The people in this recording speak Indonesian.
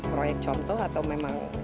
proyek contoh atau memang